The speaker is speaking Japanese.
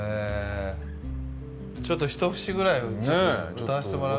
ちょっと一節ぐらい歌わせてもらう？